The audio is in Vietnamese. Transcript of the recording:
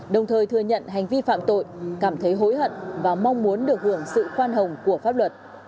đồng thời thừa nhận hành vi phạm tội cảm thấy hối hận và mong muốn được hưởng sự khoan hồng của pháp luật